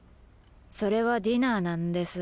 それはディナーなんです。